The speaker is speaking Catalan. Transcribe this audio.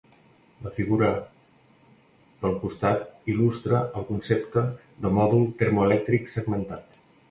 La figura del costat il·lustra el concepte de mòdul termoelèctric segmentat.